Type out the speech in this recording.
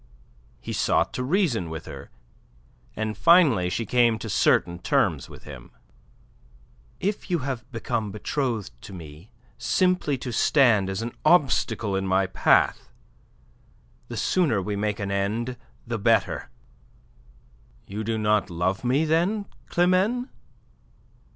He sought to reason with her, and finally she came to certain terms with him. "If you have become betrothed to me simply to stand as an obstacle in my path, the sooner we make an end the better." "You do not love me then, Climene?"